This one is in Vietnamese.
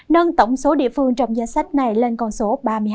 nâng tổng số địa phương trong danh sách này lên con số